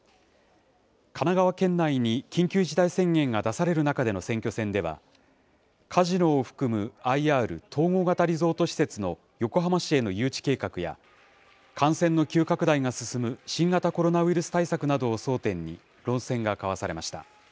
神奈川県内に緊急事態宣言が出される中での選挙戦では、カジノを含むＩＲ・統合型リゾート施設の横浜市への誘致計画や、感染の急拡大が進む新型コロナウイルス対策などを争点に論戦が交わされました。